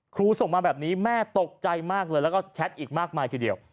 ส่งมาแบบนี้แม่ตกใจมากเลยแล้วก็แชทอีกมากมายทีเดียว